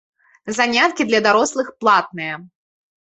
Заняткі для дарослых платныя.